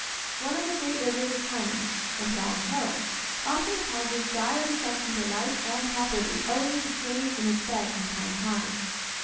One of the great rivers of China the Hwangho often causes dire destruction to life and property owing to change in its bed from time to time.